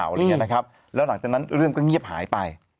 อะไรอย่างนี้นะครับแล้วหลังจากนั้นเรื่องก็เงียบหายไป